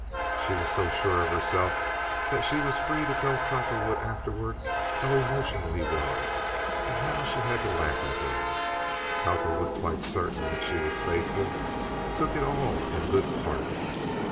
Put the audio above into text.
She was so sure of herself that she was free to tell Cowperwood afterward how emotional he was and how she had to laugh at him. Cowperwood, quite certain that she was faithful, took it all in good part.